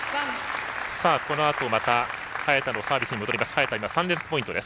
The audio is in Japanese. このあと、また早田のサービスに戻ります。